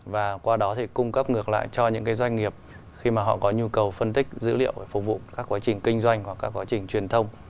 và qua đó thì cung cấp ngược lại cho những cái doanh nghiệp khi mà họ có nhu cầu phân tích dữ liệu để phục vụ các quá trình kinh doanh hoặc các quá trình truyền thông